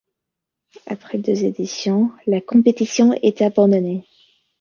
Après deux éditions, la compétition est abandonnée.